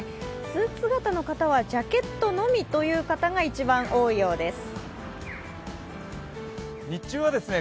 スーツ姿の方は、ジャケットのみという方が一番多いようです。